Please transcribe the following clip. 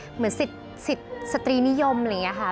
เหมือนสิทธิ์สตรีนิยมอะไรอย่างนี้ค่ะ